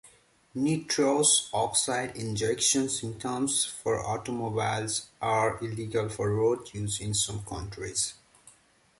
Nitrous oxide injection systems for automobiles are illegal for road use in some countries.